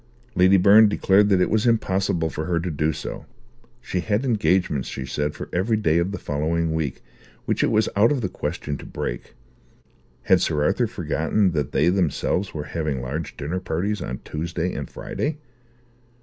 Lady Byrne declared that it was impossible for her to do so: she had engagements, she said, for every day of the following week, which it was out of the question to break. Had Sir Arthur forgotten that they themselves were having large dinner parties on Tuesday and Friday?